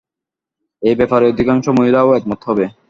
এই ব্যাপারে অধিকাংশ মহিলাও একমত হবে।